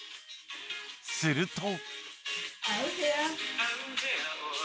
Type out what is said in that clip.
すると。